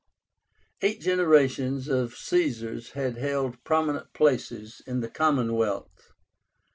Eight generations of Caesars had held prominent places in the commonwealth.